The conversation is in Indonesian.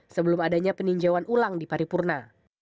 sebelum adanya peninjauan ulang di paripurna